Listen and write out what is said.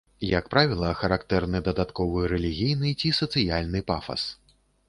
Як правіла, характэрны дадатковы рэлігійны ці сацыяльны пафас.